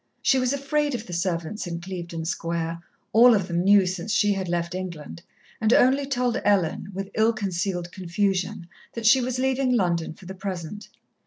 She was afraid of the servants in Clevedon Square, all of them new since she had left England, and only told Ellen, with ill concealed confusion, that she was leaving London for the present.